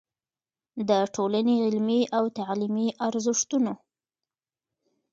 د ټولنې علمي او تعليمي ارزښتونو